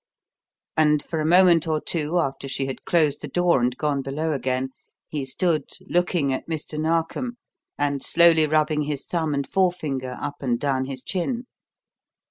And for a moment or two, after she had closed the door and gone below again, he stood looking at Mr. Narkom and slowly rubbing his thumb and forefinger up and down his chin.